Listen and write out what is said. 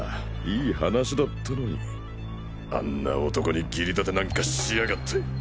いい話だったのにあんな男に義理立てなんかしやがって。